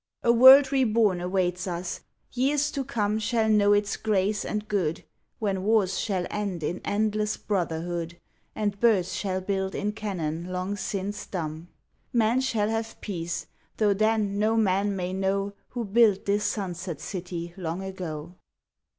A world reborn awaits us. Years to come Shall know its grace and good, When wars shall end in endless brotherhood, And birds shall build in cannon long since dumb. Men shall have peace, though then no man may know Who built this sunset city long ago.